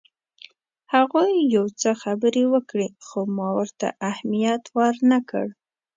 هغوی یو څه خبرې وکړې خو ما ورته اهمیت ورنه کړ.